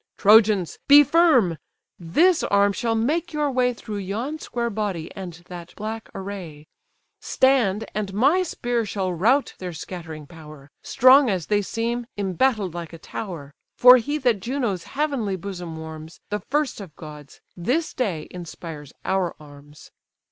"Trojans! be firm; this arm shall make your way Through yon square body, and that black array: Stand, and my spear shall rout their scattering power, Strong as they seem, embattled like a tower; For he that Juno's heavenly bosom warms, The first of gods, this day inspires our arms."